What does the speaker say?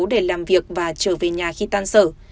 để làm việc và trở về nhà khi tan sở